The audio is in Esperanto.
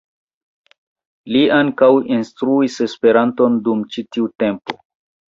Li ankaŭ instruis Esperanton dum ĉi tiu tempo.